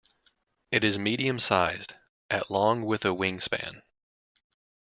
It is medium-sized, at long with a wingspan.